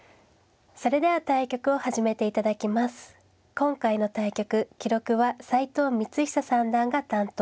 今回の対局記録は齋藤光寿三段が担当。